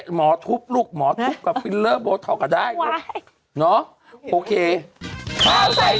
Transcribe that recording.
หมอทุบลูกหมอทุบกับฟิลเลอร์โบทักกะได้